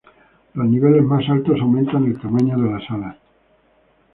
Los niveles más altos aumentan el tamaño de las alas.